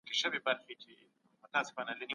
شراب خرڅول یو کسب دی چي هیڅ نه رخصتیږي.